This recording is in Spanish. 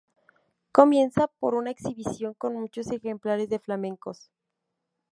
Comienza por una exhibición con muchos ejemplares de flamencos.